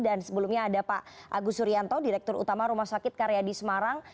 dan sebelumnya ada pak agus suryanto direktur utama rumah sakit karyadi semarang